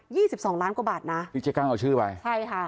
ี่สิบสองล้านกว่าบาทนะพี่เจ๊กั้งเอาชื่อไปใช่ค่ะ